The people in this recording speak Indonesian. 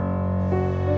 kita akan mencari dia